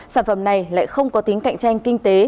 sản phẩm này lại không có tính cạnh tranh kinh tế